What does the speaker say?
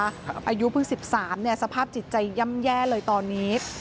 อายุเพิ่ง๑๓สภาพจิตใจย่ำแย่เลยตอนนี้